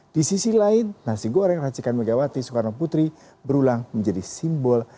di sisi lain nasi goreng racikan megawati soekarno putri berulang menjadi simbol